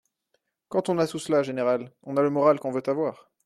Quand on a tout cela, général, on a le moral qu’on veut avoir.